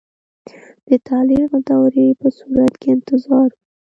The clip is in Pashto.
د تعلیق د دورې په صورت کې انتظار وي.